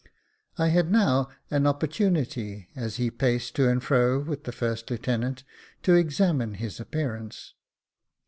I had now an opportunity, as he paced to and fro with the first lieu tenant, to examine his appearance.